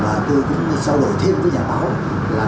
và tôi cũng giao đổi thêm với nhà báo là